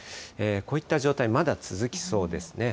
こういった状態、まだ続きそうですね。